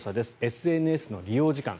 ＳＮＳの利用時間。